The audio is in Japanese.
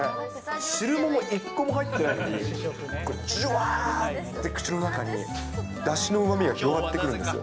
汁物一個も入ってないのに、じゅわーって口の中に、だしのうまみが広がってくるんですよ。